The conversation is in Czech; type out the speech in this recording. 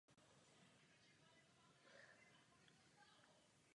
Plán města postaveného na lodi formuloval už Jules Verne v románu "Plovoucí ostrov".